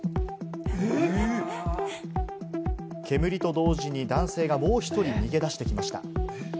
煙と同時に男性がもう１人逃げ出してきました。